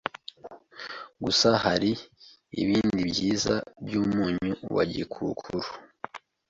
Gusa hari ibindi byiza by’umunyu wa gikukuru